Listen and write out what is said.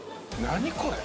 何これ？